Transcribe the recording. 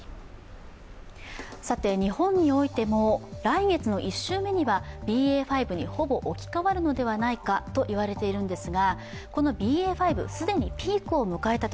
日本においても来月の１週目にはＢＡ．５にほぼ置き換わるのではないかといわれているんです。